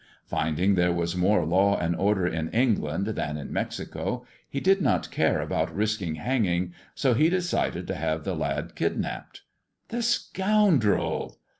Finding there was more law and order in England than in Mexico, he did not care about risking hanging, so he decided to have the lad kidnapped." " The scoundrel